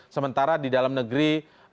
sementara di dalam negeri